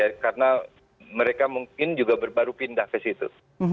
ya karena mereka mungkin juga baru pindah ke situ